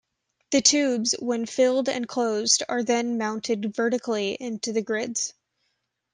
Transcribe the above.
The tubes, when filled and closed, are then mounted vertically into the grids.